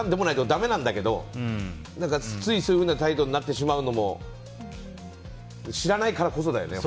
だめなんだけどついそういう態度になってしまうのも知らないからこそだよね。